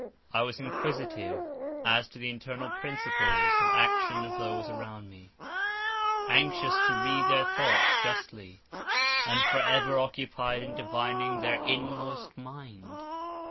I was inquisitive as to the internal principles of action of those around me: anxious to read their thoughts justly, and for ever occupied in divining their inmost mind.